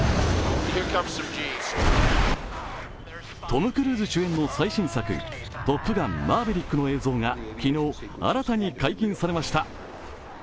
トム・クルーズ主演の最新作、「トップガンマーヴェリック」の映像が昨日、新たに解禁されました。